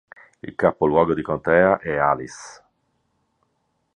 Il capoluogo di contea è Alice.